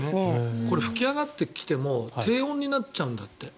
これ、吹き上がってきても低温になっちゃうんだって。